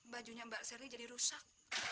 bajunya mbak serly jadi rusak